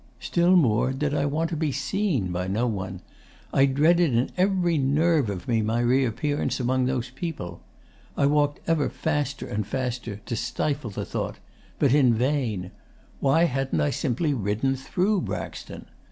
Still more did I want to be seen by no one. I dreaded in every nerve of me my reappearance among those people. I walked ever faster and faster, to stifle thought; but in vain. Why hadn't I simply ridden THROUGH Braxton?